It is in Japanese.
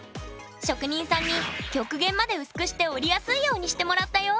職人さんに極限まで薄くして折りやすいようにしてもらったよ！